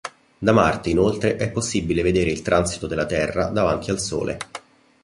Da Marte inoltre è possibile vedere il transito della Terra davanti al Sole.